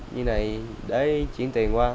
như thế này để chuyển tiền qua